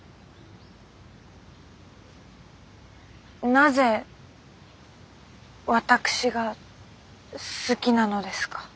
なぜ私が好きなのですか？